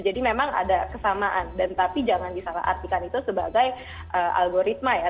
jadi memang ada kesamaan dan tapi jangan disalah artikan itu sebagai algoritma ya